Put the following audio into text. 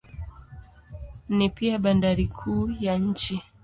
Ni pia bandari kuu ya nchi.